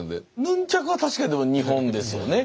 ヌンチャクは確かにでも日本ですよね。